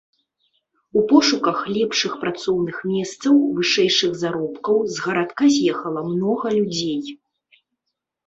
У пошуках лепшых працоўных месцаў, вышэйшых заробкаў з гарадка з'ехала многа людзей.